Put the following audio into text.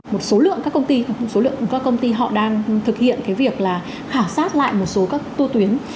một số lượng các công ty số lượng các công ty họ đang thực hiện cái việc là khảo sát lại một số các tu tuyến